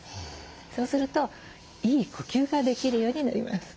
そうするといい呼吸ができるようになります。